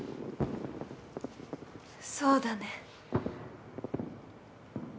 そうだね。